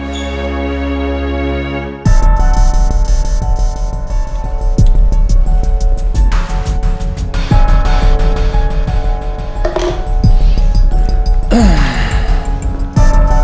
pasti dia udah nunggu nih